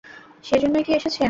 সেজন্যই কি এসেছেন?